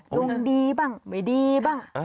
ดวงดีบ้างไม่ดีบ้าง